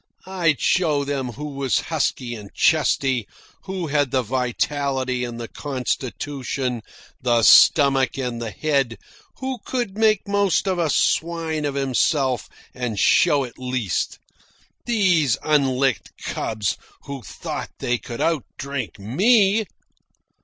I'd show them who was husky and chesty, who had the vitality and the constitution, the stomach and the head, who could make most of a swine of himself and show it least. These unlicked cubs who thought they could out drink ME!